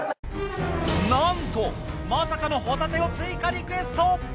なんとまさかのホタテを追加リクエスト！